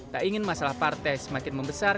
tak ingin masalah partai semakin membesar